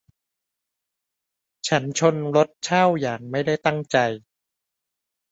ฉันชนรถเช่าอย่างไม่ได้ตั้งใจ